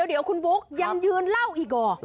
เดี๋ยวคุณบุ๊กยังยืนเล่าอีกหรอ